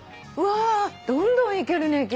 うわどんどんいけるね